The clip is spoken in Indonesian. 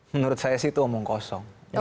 menurut saya sih itu omong kosong